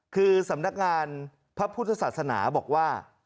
คือสำนักงานพระพุทธศาสนาบอกว่า